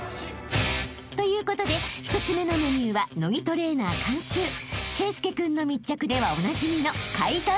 ということで１つ目のメニューは野木トレーナー監修圭佑君の密着ではおなじみの階段ダッシュ］